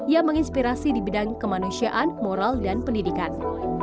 yang menginspirasi di bidang kemanusiaan moral dan pendidikan